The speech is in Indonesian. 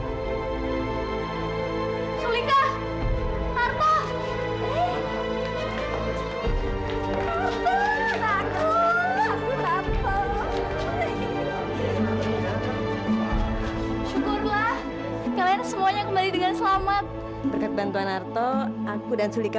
syukurlah kalian semuanya kembali dengan selamat berkat bantuan arto aku dan sulika